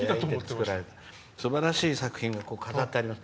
すばらしい作品がかかっています。